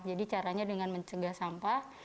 jadi caranya dengan mencegah sampah